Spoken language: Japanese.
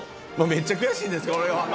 めっちゃ悔しいです、それは。